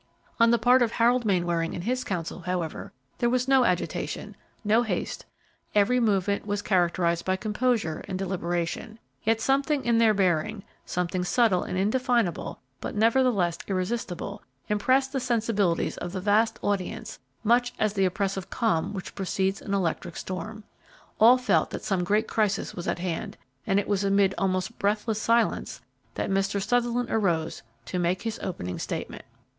On the part of Harold Mainwaring and his counsel, however, there was no agitation, no haste; every movement was characterized by composure and deliberation, yet something in their bearing something subtle and indefinable but nevertheless irresistible impressed the sensibilities of the vast audience much as the oppressive calm which precedes an electric storm. All felt that some great crisis was at hand, and it was amid almost breathless silence that Mr. Sutherland arose to make his opening statement.